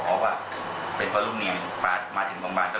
เพราะว่าเป็นพ่อลูกเนียงมาถึงโรงพยาบาลก็